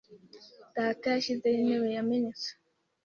Data yashyizeho intebe yamenetse .